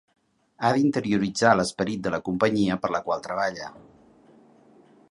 Ha d'interioritzar l'esperit de la companyia per la qual treballa.